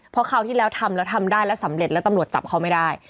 เพราะคราวที่แล้วทำแล้วทำได้แล้วสำเร็จแล้วตำรวจจับเขาไม่ได้